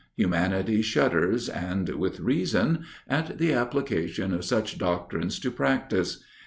Humanity shudders, and with reason, at the application of such doctrines to practice.